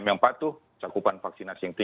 maka kita akan masuk ke tiga m yang patuh